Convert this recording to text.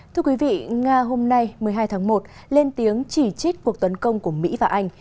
thưa quý vị nga hôm nay lên tiếng chỉ trích cuộc tấn công của mỹ và anh